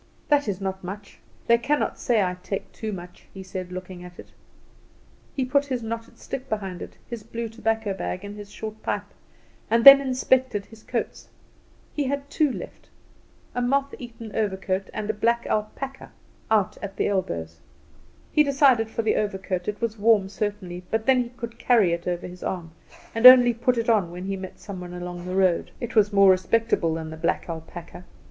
"That is not much; they cannot say I take much," he said, looking at it. He put his knotted stick beside it, his blue tobacco bag and his short pipe, and then inspected his coats. He had two left a moth eaten overcoat and a black alpaca, out at the elbows. He decided for the overcoat; it was warm, certainly, but then he could carry it over his arm and only put it on when he met some one along the road. It was more respectable than the black alpaca.